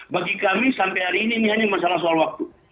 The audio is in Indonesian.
bagi kami sampai hari ini ini hanya masalah soal waktu